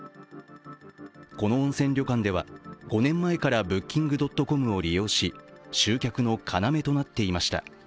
この温泉旅館では５年前からＢｏｏｋｉｎｇ．ｃｏｍを利用し、集客の要となっていました。